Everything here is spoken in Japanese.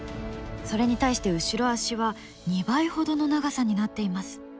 それに対して後ろ足は２倍ほどの長さになっています。